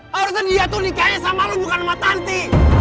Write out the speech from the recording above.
harusnya dia tuh nikahnya sama lu bukan sama tanti